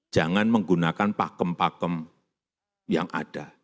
jangan menggunakan pakem pakem yang ada